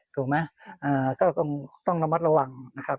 ถูกไหมก็ต้องระมัดระวังนะครับ